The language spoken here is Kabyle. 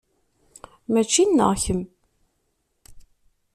Mačči nneɣ kemm.